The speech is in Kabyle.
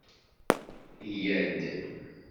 Yya-d!